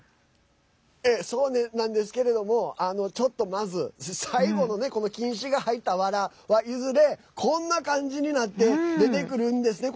ええ、そうなんですけれどもちょっとまず最後のね、菌糸が入ったわらはいずれ、こんな感じになって出てくるんですね。